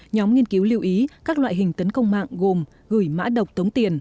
nhóm nghiên cứu lưu ý các loại hình tấn công mạng gồm gửi mã độc tống tiền